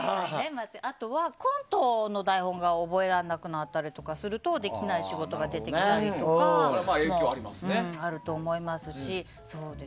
あとはコントの台本が覚えられなくなったりするとできない仕事が出てきたりとかあると思いますし。